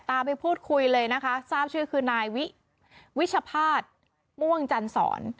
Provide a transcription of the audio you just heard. ไปพูดคุยเลยนะคะทราบชื่อคือนายวิชภาษณ์ม่วงจันสอน